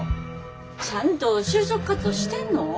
ちゃんと就職活動してんの？